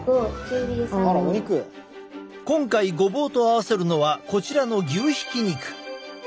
今回ごぼうと合わせるのはこちらの牛ひき肉。